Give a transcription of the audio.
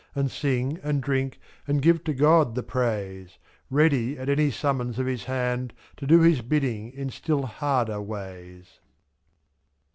And sing and drink, and give to God the praise; 77. Ready, at any summons of His hand. To do His bidding in still harder ways.